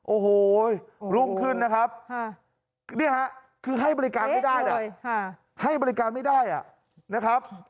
โอ้โหรุ่งขึ้นนะครับนี่ฮะคือให้บริการไม่ได้ให้บริการไม่ได้นะครับ